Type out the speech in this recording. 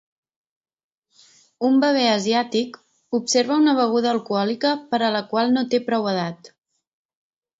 Un bebè asiàtic observa una beguda alcohòlica per a la qual no té prou edat.